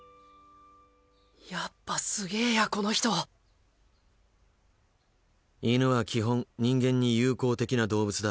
やっぱすげぇやこの人犬は基本人間に友好的な動物だ。